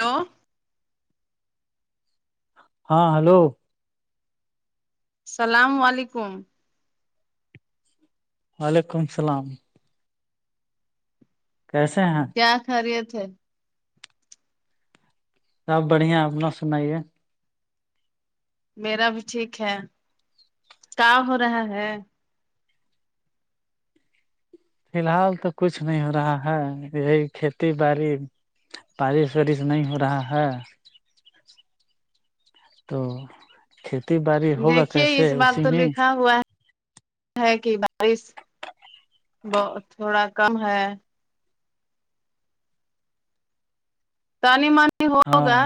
hello ہاں hello السلام علیکم وعلیکم السلام کیسے ہیں کیا خھریے تھے آب بڑھیا اپنا سنائیے میرا بھی ٹھیک ہے کا ہو رہا ہے فی الحال تو کچھ نہیں ہو رہا ہے یہی کھیتی باڑی پارش وورش نہیں ہو رہا ہے تو کھیتی باڑی ہوگا دیکھیے کیسے اس بار اسی تو میں لکھا ہوا ہے کہ بارش ب تھوڑا کم ہے تانی مانی ہاں ہوگا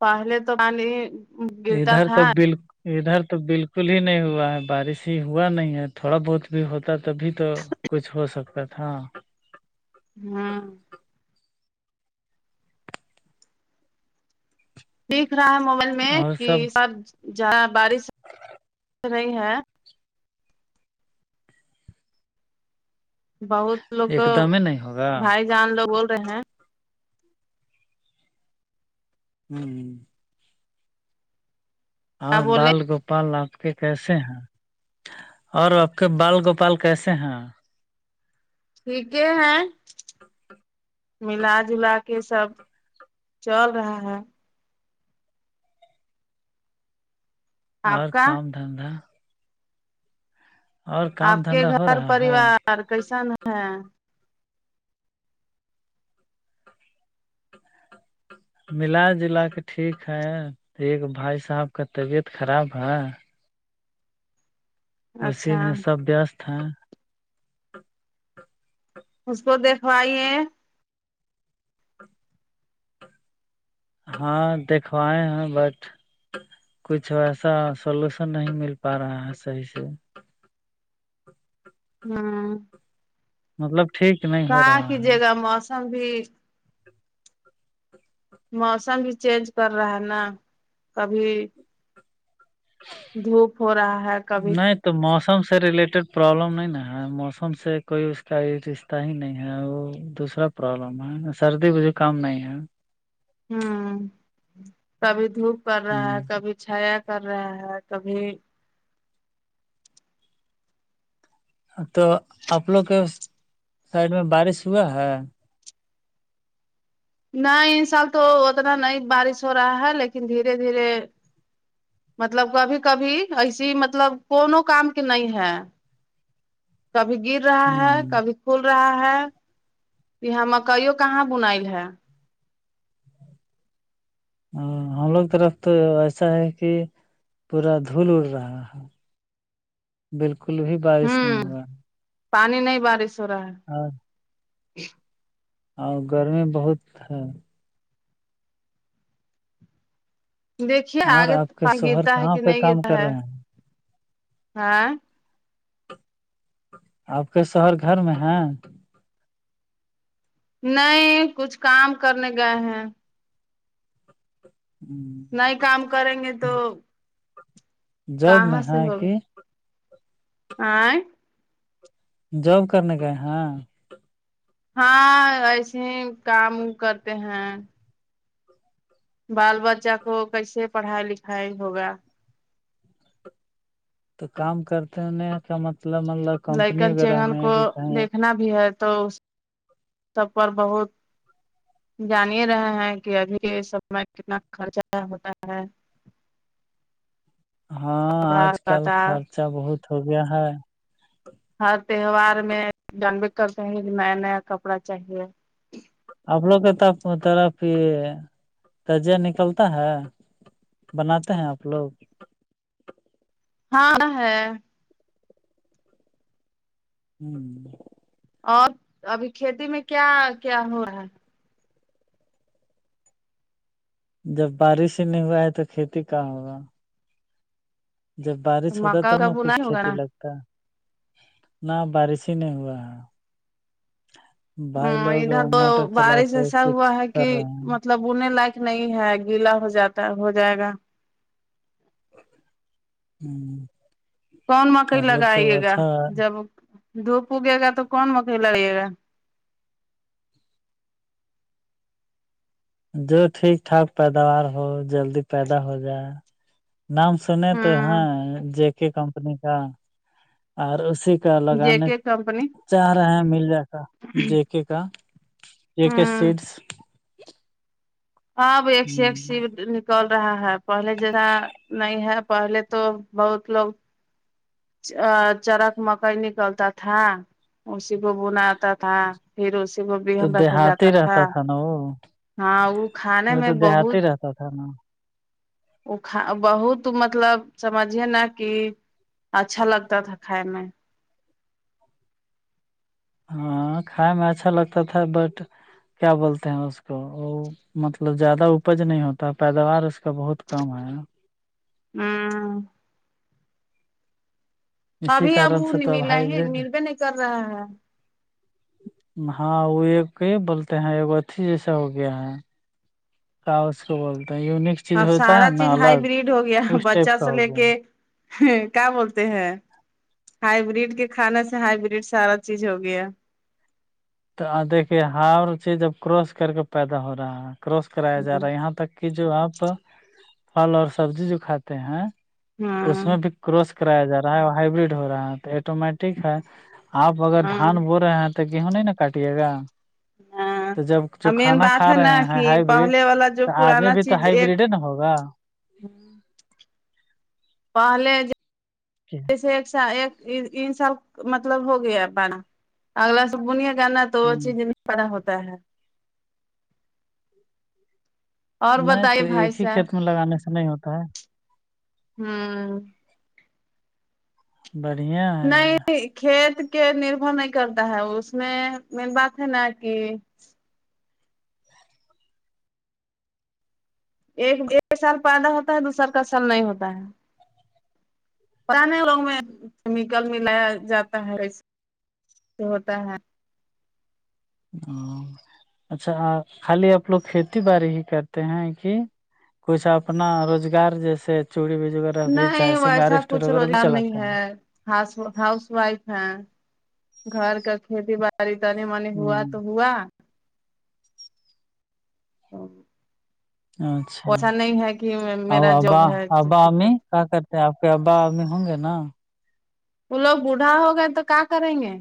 پہل تو م نے ادھر تو ب ادھر تو بالکل ہی نہیں ہوا ہے بارش ہی ہوا نہیں ہے تھوڑا بہت بھی ہوتا تبھی تو کچھ ہو سکتا تھا ہاں دیکھ رہا ہے موبائل میں اور کہ سب سب بارش رہی ہے بہت لوگ ایک دم ہی نہیں ہوگا بھائی جان لوگ بول رہے ہیں ہوں کیا اور بولے بال گوپال آپ کے کیسے ہیں اور آپ کے بال گوپال کیسے ہیں ٹھیک ہے ملا جلا کے سب چل رہا ہے اور آپ کا کام دھندا اور آپ کام کے دھندا ہو گھر رہا ہے پریوار کیسن ہے ملا جلا کے ٹھیک ہے ایک بھائی صاحب کا طبیعت خراب ہے اسی اچھا میں سب بیست ہیں اس کو دیکھوائیے ہاں دکھوائے ہیں بٹ کچھ ایسا سولوشن نہیں مل پا رہا ہے صحیح سے ہاں مطلب ٹھیک نہیں ہو کہاں رہا ہے کیجیے گا موسم بھی موسم بھی چینج کر رہا ہے نا کبھی دھوپ ہو رہا ہے کبھی نہیں تو موسم سے ریلیٹڈ پرابلم نہیں نا ہے موسم سے کوئی اس کا رشتہ ہی نہیں ہے وہ دوسرا پرابلم ہے سردی مجھے کم نہیں ہے ہوں کبھی دھوپ پڑ رہا ہے کبھی چھایا کر رہا ہے کبھی اب تو اپ لو کے سائڈ میں بارش ہوا ہے نہیں ان سال تو اتنا نہیں بارش ہو رہا ہے لیکن دھیرے دھیرے مطلب کبھی کبھی ایسیے مطلب کون کام کے نہیں ہے کبھی گر رہا ہے کبھی ہوں کھول رہا ہے یہاں مکئیوں کہاں بنائل ہے ہاں ہم لوگ طرف تو ایسا ہے کہ پورا دھول اڑ رہا ہے ج بالکل بھی بارش نہیں ہوں ہوا پانی نہیں بارش ہو رہا ہے اور اور گرمی بہت ہے دیکھیے اور آگے آپ کے شوہر گرتا ہے کہاں کہ پہ نہیں کام گرتا کر ہے رہے ہیں ہاں آپ کے شہر گھر میں ہے نہیں کچھ کام کرنے گئے ہیں نہیں کام کریں گے تو جب کہاں میں سے ہے کہ ہوگا [unintelligible] جاب کرنے کائے ہاں ہاں ایسے ہی کام کرتے ہیں بال بچہ کو کیسے پڑھائی لکھائی ہوگا تو کام کرتے ہو کا مطلب مطلب کمپنی لائکن وغیرہ چگن میں کو کہ کہیں دیکھنا بھی ہے تو سب پر بہت جانی رہے ہیں کہ ابھی سب میں کتنا خرچہ ہوتا ہے ہاں کپڑا آج کل لتا خرچہ بہت ہو گیا ہے ہر تہوار میں جان بھی کرتے ہیں کہ نیا نیا کپڑا چاہیے آ لوگ کے تو تھراف یہ درجیہ نکلتا ہے [inaudible] بناتے ہیں آپ لوگ ہاں ہے [inaudible] ہوں [inaudible] اور ابھی کھیتی میں کیا کیا ہو رہا ہے جب بارش ہی نہیں ہوا ہے تو کھیتی کا ہوگا جب بارش ہوتا ہے مکا تب کا نہ بنا کچھ ہی ہوگا کھیتی نا لگتا نہ بارش ہی نہیں ہوا ہے ہ بھائی لوگ ادھر تو موٹر چلا بارش کے ایسا ہوا کچھ ہے کہ کر رہے مطلب مطلب بنے لائق نہیں ہے گیلا ہو جاتا ہو جائے گا ہوں [inaudible] کون مکئی لگائیے گا جب دھوپ اگے گا تو کون مکئی لگائیے گا جو ٹھیک ٹھاک پیداوار ہو جلدی پیدا ہو جائے نام سنے تو ہوں ہیں ج کے کمپنی کا اور اسی کا جے لگانے کے کمپنی چاہ رہے ہیں مل جا کر جے کے کا ایک ہوں سیڈس [inaudible] ہاں وہ ایک س ایک س ہ [inaudible] کول رہا ہے پہلے جرا نہیں ہے پہلے تو بہت لوگ [inaudible] چرک مکئی نکلتا تھا اسی کو بناتا تھا پھر اسی کو تو بہن رکھا جاتا دیہاتی تھا رہتا نا وہ ہاں وہ کھانے وہ میں تو بہت دیہاتی رہتا تھا نا اا بہت مطلب سمجھیے نا کہ اچھا لگتا تھا کھائے میں ہاں کھائے میں اچھا لگتا تھا بٹ کیا بولتے ہیں اس کو وہ مطلب زیادہ اپج نہیں ہوتا پیداوار اس کا بہت کم ہے ہاں [inaudible] اسی ابھی اب کارن وہ سے تو ملا ہی ہائیبریڈ مل بھی نہیں کر رہا ہے ہاں وہ ایک یہ بولتے ہیں ایک اھی جیسا ہو گیا ہے اس کو بولتاتے ہیں یو نکسٹ اب سارا چیز ہائی بریڈ ہو گیا ٹائپ بچہ کا سے ہو لے گیا کے کیا بولتے ہیں ہائی برڈ کے کھانے سے ہائی بریڈ سارا چیز ہو گیا دیکھیے ہار چیز اب کراس کر کے پیدا ہو رہا ہے کراس کرایا جا ہ رہا ہے یہاں تک کہ جو آپ پھل اور سبزی جو کھاتے ہیں اس میں بھی کراس کرایا جا رہا ہے ہائبرڈ ہو رہا ہے تو ایٹومیٹک ہے آپ اگر ہاں دھان بو رہے ہیں تو تو گیہوں نہیں نا کاٹیے گا [inaudible] تو جب ہاں جو مین کھانا بات کھا ہے رہے نا ہیں کہ ہائیبریڈ پہلے والا جو تو آدمی پرانا بھی تو چیز ایک ہائیبریڈ نا ہوگا پہلے جو [inaudible] [inaudible] جیسے ایک سال ایک ان سال مطلب ہو گیا بڑا اگلا سا بنیا گ نا تو چیز میں پڑا ہوتا ہے اور نہیں بتائیے تو بھائی ایک ہی صاحب کھیت میں لگانے سے نہیں ہوتا ہے ہاں [inaudible] بڑھیا ہے نہیں کھیت کے نربھر نہیں کرتا ہے اس میں مین بات ہے نا کہ ایک ایک سال پیدا ہوتا ہے دو سال کا سال نہیں ہوتا ہے پرانے لوگ میں کیمیکل ملایا جاتا ہے ہوتا ہے ہ اچھا خالی آپ لوگ کھیتی باڑی ہی کرتے ہیں کہ کچھ اپنا روزگار جیسے چوڑی بگار نہیں ویسا کچھ روزگار نہیں ہے ہا ہاؤس وائف ہے گھر کا کھیتی باڑی خدنے منے ہیں ہوا تو ہوا ہ اچھا آ میرا اب جاب ہے ابا ا ٹکٹ کہ کرتے ہیں آپ کے ابا آدمی ہوں گے نا وہ لوگ بوڑھا ہو گئے تو کیا کریں گے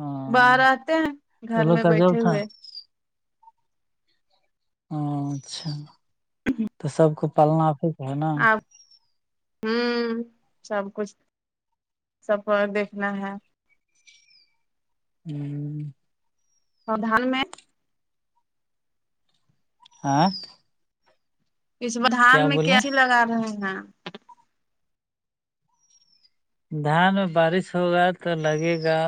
ہاں باہر آتے ہیں تو وہ گھر لوگ میں کا جاب بیٹھے تھا ہوئے ہ اچھا تو سب کو پالنا پ ہاں ہوں سب کچھ سب دیکھنا ہے ہوں اوردان میں ایک اس دھان میں بولے کیاچی لگا رہے ہیں دھان میں بارش ہوگا تو لگے گا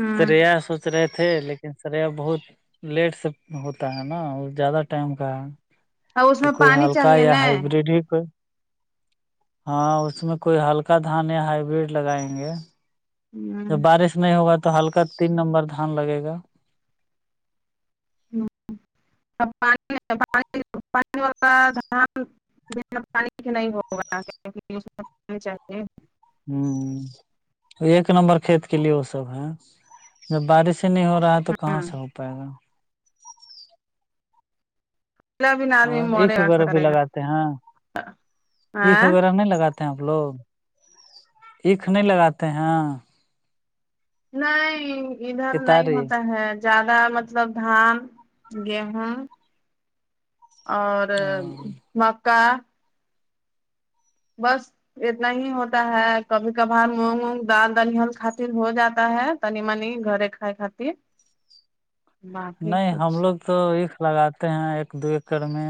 ہوں سریا سوچ رہے تھے لیکن لیکن سر بہت لیٹ سے ہوتا ہے نا زیادہ ٹائم کا ہے اور اس تو میں کوئی پانی ہلکا چاہیے یا نا ہائیبریڈ ہی کوئی ہاں اس میں کوئی ہلکا دھان ہائبریڈ لگائیں گے جب ہ بارش نہیں ہوگا تو ہلکا تین نمبر دھان لگے گا اب پانی پانی ہوتا ہے دان پانی نہیں ہوگا چاہیے ہوں ایک نمبر کھیت کے لیے وہ سب ہے جب بارش سے نہیں ہو رہا ہے تو کہاں ہاں سے ہو پائے گا پلا بھی آدمی اور مورے اکھ گا وغیرہ بھی کرے گا لگاتے ہیں اکھ ہاں وغیرہ نہیں لگاتے آ لوگ اکھ نہیں لگاتے ہیں نہیں ادھر نہیں کتاری ہوتا ہے زیادہ مطلب دھان گیہوں اور مکا بس اتنا ہی ہوتا ہے کبھی کبھار مونگ وونگ دال دن ہل خاطر ہو جاتا ہے تنی منی گھر ک خطر نہیں ہم لوگ تو عکھ لگاتے ہیں ایک دو ایکڑ میں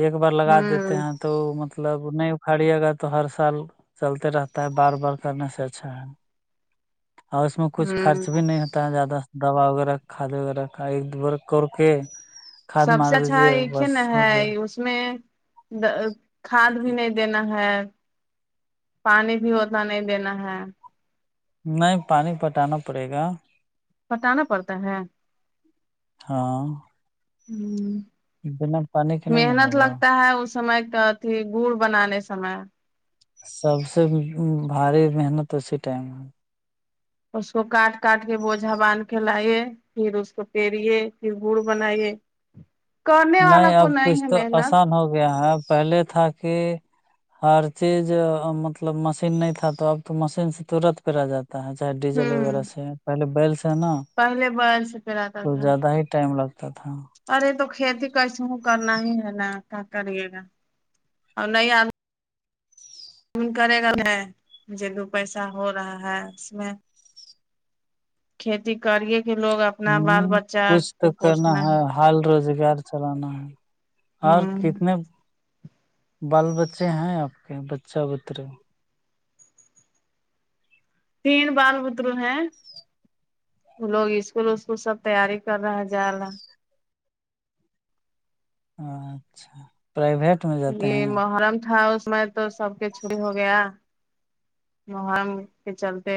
ایک بار لگا دیتے ہوں ہیں تو مطلب نہیں اکھاڑیے گا تو ہر سال چلتے رہتا ہے بار بار کرنے سے اچھا ہے اور اس میں کچھ ہوں خرچ بھی نہیں ہوتا ہے زیادہ دوا وغیرہ کھدے وغیرہ کھ ایک دو بار کر کے کھاد سب سے مار اچھا دیجیے ایک بس نا ہو ہے گیا اس میں کھاد بھی نہیں دینا ہے پانی بھی اتنا نہیں دینا ہے نہیں پانی پٹانا پڑے گا پٹانا پڑتا ہے ہاں ہ بنا پانی کے نہیں نہ محنت ہوگا لگتا ہے اس سمے کا اھی گڑ بنانے سمے سب سے بھاری محنت اسی ٹائم ہے اس کو کاٹ کاٹ کے بوجا باندھ کے لے پھر اس کو پیریے پھر گڑ بنائیے کرنے والا نہیں کو اب کچھ ہے تو محنت آسان ہو گیا ہے پہلے تھا کہ ہر چیز مطلب مشین نہیں تھا تو اب تو مشین سے ترت پہ آ جاتا چاہے ڈیزل ہوں وغیرہ سے پہلے بیل سے نا پہلے بیل سے پراتا کچھ تھا زیادہ ہی ٹائم لگتا تھا ارے تو کھیتی کیس ہ کرنا ہی ہے نا کیا کرے گا اور نہیں آ کرے گا ن مجھے دو پیسہ ہو رہا ہے اس میں کھیتی کریے کہ لوگ اپنا بال ہ بچہ کچھ کو تو کرنا پوسنا ہے حال روزگار چلانا ہے اور ہوں کتنے بال بچے ہیں آپ کے بچہ بتر تین بال بدرو ہیں لوگ اسکول اسکول سب تیاری کر رہا ہے جا رہا اچھا پرائییٹ یہ محرم تھا اس میں تو سب کے چریی ہو گیا محم کے چلتے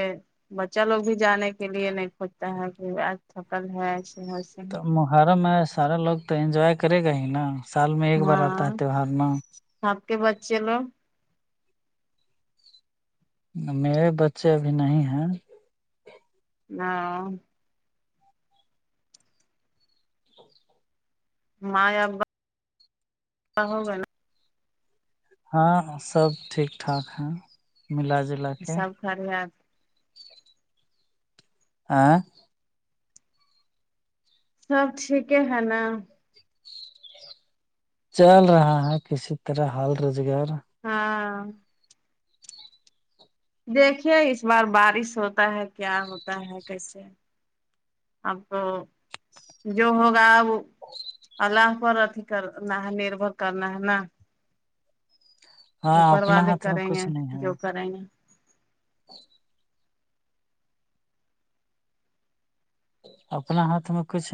بچہ لوگ بھی جانے کے لیے نہیں کھجتا ہے کہ آج تھکل ہے ویسے تو ہے مہرم میں سارا لوگ تو انجوائے کرے گا ہی نا سال میں ایک بار آتا ہاں ہے تیوار میں آپ کے بچے لوگ میرے بچے ابھی نہیں ہیں ہاں ماں یا ابا ہوگا نا ہاں سب ٹھیک ٹھاک ہے ملا جل سب خرے آپ آں سب ٹھیک ہے نا چل رہا ہے کسی طرح حال روزگار ہاں دیکھیے اس بار بارش ہوتا ہے کیا ہوتا ہے کیسے اب جو ہوگا وہ اللہ پر اھی کرنا ہے نربھر کرنا ہے نا ہاں اوپر اپنا والے ہاتھ میں کریں گے جو کریں گے ہ اپنا ہاتھ میں کچھ